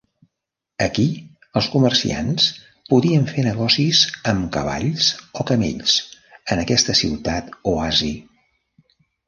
Aquí, els comerciants podien fer negocis amb cavalls o camells en aquesta ciutat oasi.